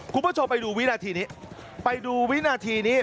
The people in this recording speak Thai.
คุณผู้ชมไปดูวินาทีนี้ไปดูวินาทีนี้